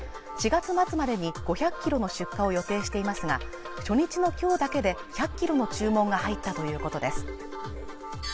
４月末までに５００キロの出荷を予定していますが初日のきょうだけで１００キロの注文が入ったということです